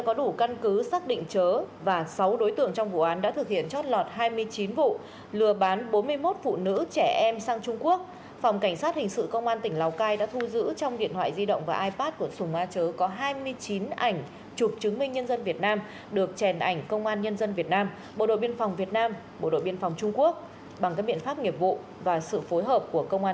phòng cảnh sát hình sự công an tỉnh lào cai đã bắt giữ được bảy đối tượng trong đường dây